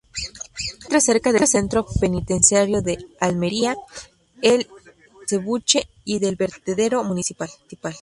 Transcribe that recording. Se encuentra cerca del Centro Penitenciario de Almería "El Acebuche" y del vertedero municipal.